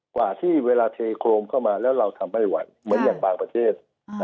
กว่าที่เวลาเทโครมเข้ามาแล้วเราทำไม่ไหวเหมือนอย่างบางประเทศ